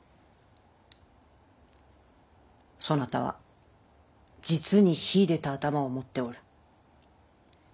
そなたは実に秀でた頭を持っておる。